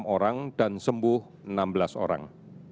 satu ratus dua puluh enam orang dan sembuh enam belas orang